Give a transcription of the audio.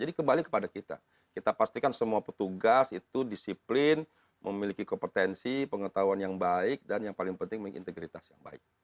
jadi kembali kepada kita kita pastikan semua petugas itu disiplin memiliki kompetensi pengetahuan yang baik dan yang paling penting integritas yang baik